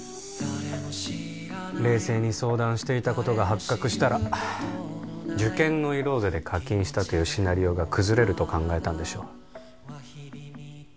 冷静に相談していたことが発覚したら受験ノイローゼで課金したというシナリオが崩れると考えたんでしょう